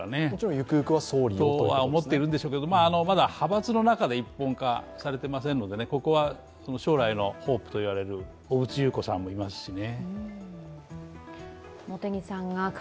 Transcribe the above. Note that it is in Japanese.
ゆくゆくは総理もと思っていると思いますが、まだ派閥の中で一本化されていませんので将来のホープと言われる小渕優子さんもいますしね。